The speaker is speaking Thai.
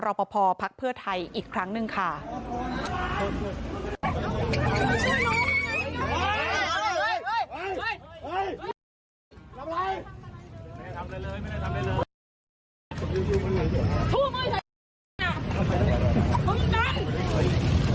ไม่ได้ทำไรเลยไม่ได้ทำไรเลย